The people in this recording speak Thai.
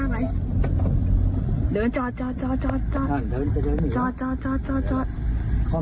อาจจะไม่ใช่รถร้าวหวัดดีค่ะพี่แป๊บหนึ่งนะครับ